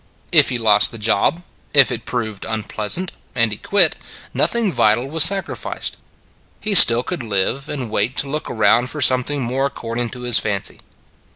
If he lost the job, if it proved un pleasant and he quit, nothing vital was sacrificed. He still could live and wait to look around for something more according to his fancy.